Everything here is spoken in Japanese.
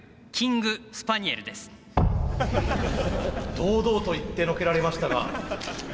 堂々と言ってのけられましたが。